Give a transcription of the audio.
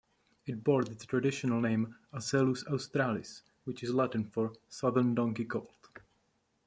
It bore the traditional name "Asellus Australis" which is Latin for "southern donkey colt".